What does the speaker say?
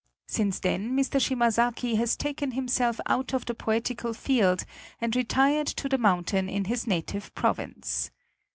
Since then Mr. Shimazaki has taken himself out of the poetical field and retired to the mountain in his native province.